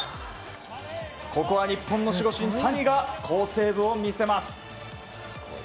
ここは日本の守護神谷が好セーブを見せます。